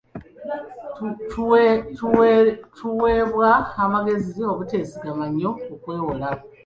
Tuweebwa amagezi obuteesigama nnyo ku kwewola.